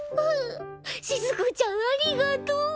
しずくちゃんありがとう。